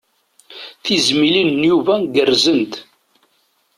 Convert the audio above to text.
Tizmilin n Yuba gerrzent.